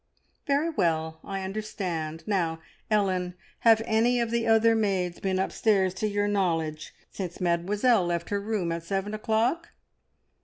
Very well, I understand! Now, Ellen, have any of the other maids been upstairs to your knowledge since Mademoiselle left her room at seven o'clock?"